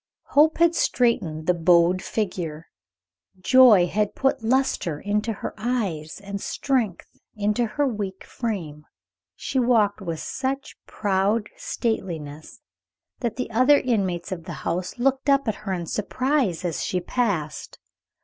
Hope had straightened the bowed figure; joy had put lustre into her dark eyes and strength into her weak frame. She walked with such proud stateliness that the other inmates of the home looked up at her in surprise as she passed.